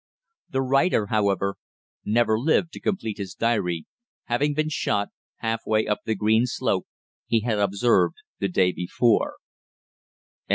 The writer, however, never lived to complete his diary, having been shot half way up the green slope he had observed the day previous.